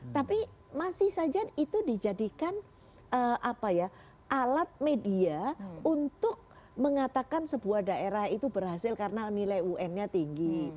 tapi masih saja itu dijadikan alat media untuk mengatakan sebuah daerah itu berhasil karena nilai un nya tinggi